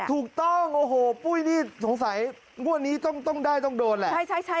ถูกต้องโอ้โหปุ้ยนี่สงสัยงวดนี้ต้องได้ต้องโดนแหละ